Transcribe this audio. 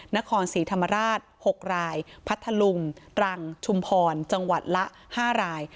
นครศรีธรรมราช๖รายพัทธลุงตรังชุมพรจังหวัดละ๕ราย